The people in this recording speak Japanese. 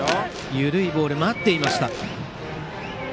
緩いボール待っていました。